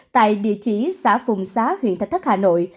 tại địa chỉ xã phùng xá huyện thạch thất hà nội